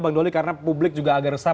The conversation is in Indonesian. bang doli karena publik juga agak resah